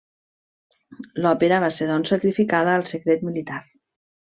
L'òpera va ser doncs sacrificada al secret militar.